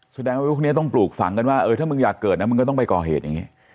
ที่ด้วยทุกอย่างต้องปลูกฝังกันว่าถ้ามึงอยากเกิดอะมึงก็ต้องไปกอเหตุอย่างงี้